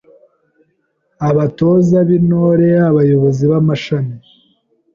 Abatoza b’Intore: Abayobozi b’amashami